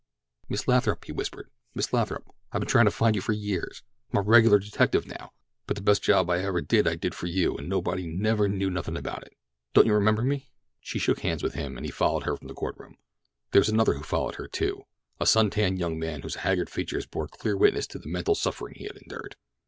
"Miss Lathrop," he whispered. "Miss Lathrop, I've been trying to find you for years. I'm a regular detective now; but the best job I ever did I did for you and nobody never knew anything about it. Don't you remember me?" She shook hands with him, and he followed her from the court room. There was another who followed her, too. A sun tanned young man whose haggard features bore clear witness to the mental suffering he had endured.